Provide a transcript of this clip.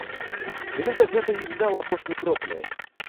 Менавіта гэта і стала апошняй кропляй.